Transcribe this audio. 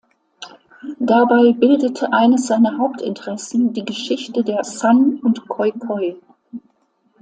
Dabei bildete eines seiner Hauptinteressen die Geschichte der San und Khoi Khoi.